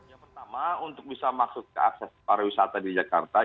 yang pertama untuk bisa masuk ke akses pariwisata di jakarta